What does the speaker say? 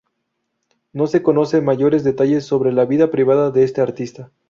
No se conocen mayores detalles sobre la vida privada de este artista.